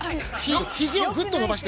肘をぐっと伸ばして。